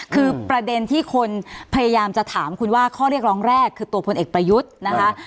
คือประเด็นที่คนพยายามจะถามคุณว่าข้อเรียกร้องแรกคือตัวพลเอกประยุทธ์นะคะ